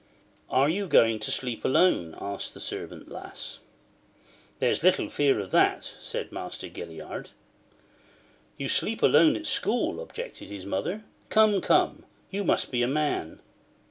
'Are you going to sleep alone?' asked the servant lass. 'There's little fear of that,' says Master Gilliard. 'You sleep alone at school,' objected his mother. 'Come, come, you must be a man.